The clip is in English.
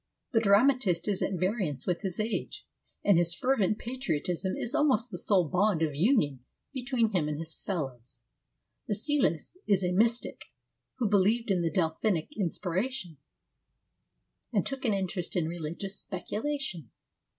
The dramatist is at variance with his age, and his fervent patriotism is almost the sole bond of union between him and his fellows. ^schylus is a mystic ; he believed in the Delphic inspiration, and took an interest in religious speculation.